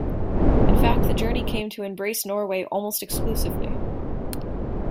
In fact, the journey came to embrace Norway almost exclusively.